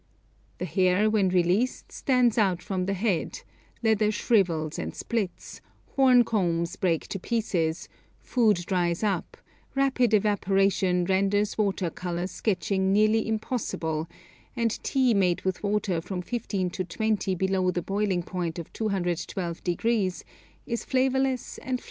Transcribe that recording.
The hair when released stands out from the head, leather shrivels and splits, horn combs break to pieces, food dries up, rapid evaporation renders water colour sketching nearly impossible, and tea made with water from fifteen to twenty below the boiling point of 212 degrees, is flavourless and flat.